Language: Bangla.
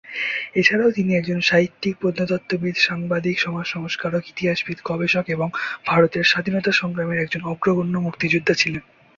এছাড়াও তিনি একজন সাহিত্যিক, প্রত্নতত্ত্ববিদ, সাংবাদিক, সমাজ সংস্কারক, ইতিহাসবিদ, গবেষক এবং ভারতের স্বাধীনতা সংগ্রামের একজন অগ্রগণ্য মুক্তিযোদ্ধা ছিলেন।